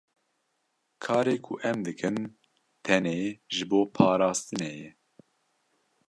Karê ku em dikin tenê ji bo parastinê ye.